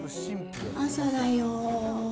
朝だよ。